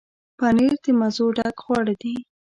پنېر د مزو ډک خواړه دي.